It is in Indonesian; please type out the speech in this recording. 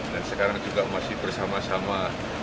dan sekarang juga masih bersama sama